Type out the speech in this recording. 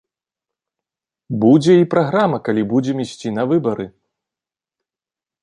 Будзе і праграма, калі будзем ісці на выбары.